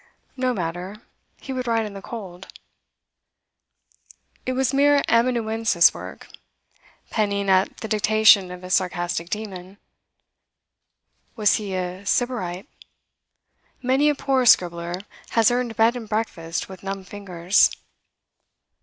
No matter; he would write in the cold. It was mere amanuensis work, penning at the dictation of his sarcastic demon. Was he a sybarite? Many a poor scribbler has earned bed and breakfast with numb fingers.